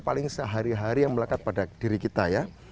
paling sehari hari yang melekat pada diri kita ya